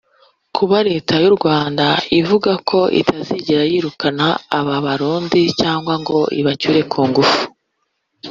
Kuba Leta y’u Rwanda ivuga ko itazigera yirukana aba Barundi cyangwa ngo ibacyure ku ngufu